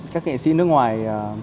các nghệ sĩ nước ngoài